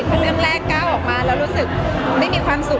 เพราะเรื่องแรกก้าวออกมาแล้วรู้สึกไม่มีความสุข